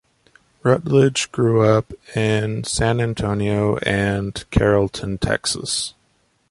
Rutledge grew up in San Antonio and Carrollton, Texas.